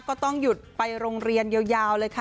ก็ต้องหยุดไปโรงเรียนยาวเลยค่ะ